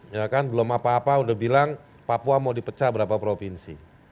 ya kan belum apa apa udah bilang papua mau dipecah berapa provinsi